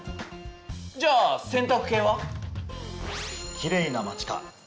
じゃあ「選択系」は？